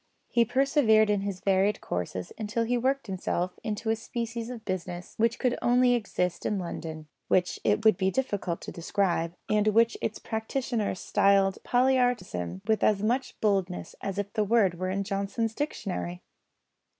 He persevered in his varied courses until he worked himself into a species of business which could exist only in London, which it would be difficult to describe, and which its practitioner styled "poly artism" with as much boldness as if the word were in Johnson's Dictionary!